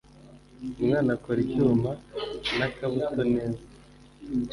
Umwana akora icyuma n'akabuto neza.